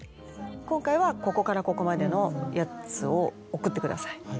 「今回はここからここまでのやつを送ってください。